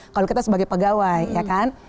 kalau kita sebagai pegawai ya kan